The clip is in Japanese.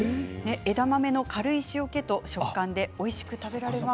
枝豆の軽い塩けと食感でおいしく食べられます。